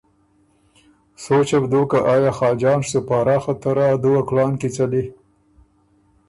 سوچه بو دوک که آیا خاجان سُو پاراخه ته رۀ ا دُوه کلان کی څَلی۔